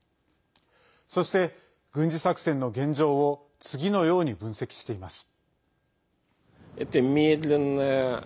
そして、軍事作戦の現状を次のように分析しています。